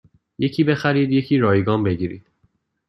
یکی بخرید یکی رایگان بگیرید